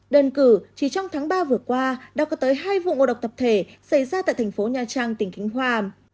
đơn cử chỉ trong tháng ba vừa qua đã có tới hai vụ ngộ độc tập thể xảy ra tại thành phố nha trang tỉnh khánh hòa